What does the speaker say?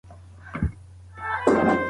د خطبې او مرکې پر مهال کوم کارونه بايد وسي؟